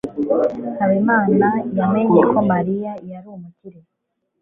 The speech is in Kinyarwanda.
habimana yamenye ko mariya yari umukire